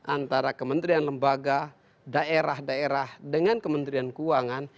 antara kementerian lembaga daerah daerah dengan kementerian keuangan